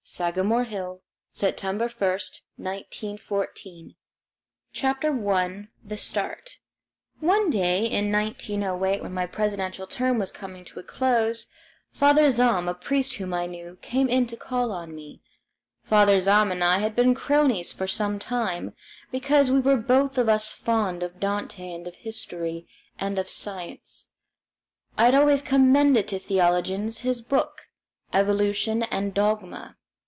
SAGAMORE HILL, September 1, 1914 THROUGH THE BRAZILIAN WILDERNESS I. THE START One day in 1908, when my presidential term was coming to a close, Father Zahm, a priest whom I knew, came in to call on me. Father Zahm and I had been cronies for some time, because we were both of us fond of Dante and of history and of science I had always commended to theologians his book, "Evolution and Dogma."